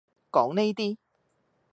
講呢啲